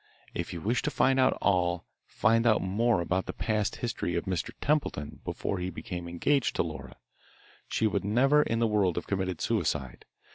If you wish to find out all, find out more about the past history of Mr. Templeton before he became engaged to Laura. She would never in the world have committed suicide.